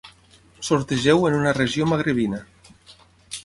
Sortegeu en una regió magrebina.